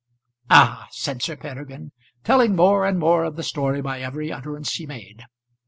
"Ah!" said Sir Peregrine, telling more and more of the story by every utterance he made.